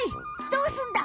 どうすんだ！